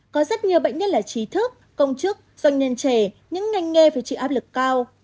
có rất nhiều bệnh nhân là trí thức công chức doanh nhân trẻ những ngành nghề phải chịu áp lực cao